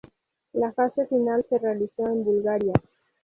La fase final se realizó en Bulgaria.